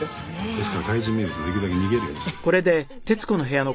ですから外国人見るとできるだけ逃げるようにしています。